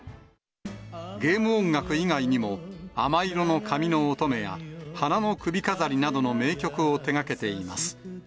ゲーム音楽以外にも、亜麻色の髪の乙女や、花の首飾りなどの名曲を手がけています。